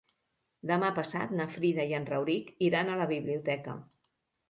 Demà passat na Frida i en Rauric iran a la biblioteca.